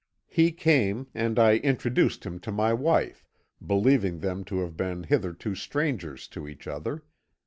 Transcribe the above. "He came, and I introduced him to my wife, believing them to have been hitherto strangers to each other.